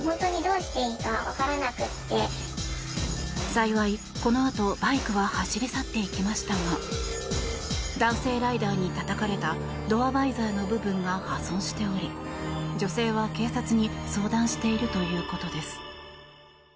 幸い、このあとバイクは走り去っていきましたが男性ライダーにたたかれたドアバイザーの部分が破損しており女性は警察に相談しているということです。